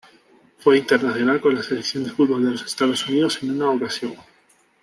Fue internacional con la selección de fútbol de los Estados Unidos en una ocasión.